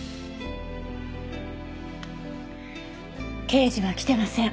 刑事は来てません。